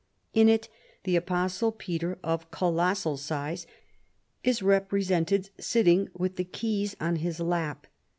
In it the Apostle Peter, of colossal size, is represented sitting with the keys on his lap.